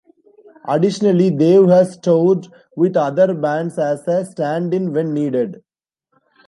Additionally, Dave has toured with other bands as a stand-in when needed.